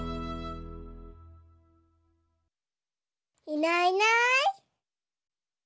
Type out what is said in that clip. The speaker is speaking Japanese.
いないいない。